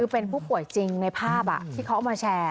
เป็นผู้ป่วยจริงในภาพที่เขาเอามาแชร์